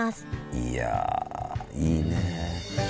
いやいいねえ。